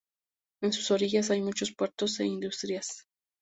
En sus orillas hay muchos puertos e industrias.